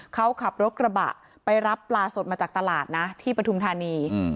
เขาขับรถกระบะไปรับปลาสดมาจากตลาดนะที่ปฐุมธานี